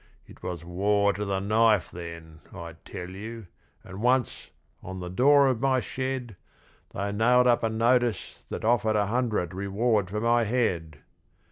It was war to the knife then, I tell you, and once, on the door of my shed, They nailed up a notice that offered a hundred reward for my head!